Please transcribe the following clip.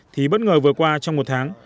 thì bất ngờ vừa qua trong một tháng